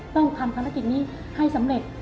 ต้องทำภารกิจนี้ให้สำเร็จ